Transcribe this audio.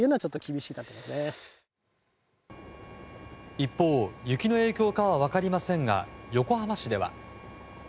一方、雪の影響かは分かりませんが、横浜市では。